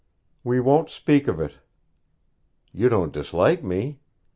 'We won't speak of it.' 'You don't dislike me?'